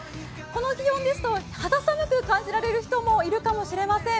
この気温ですと、肌寒く感じられる人もいるかもしれません。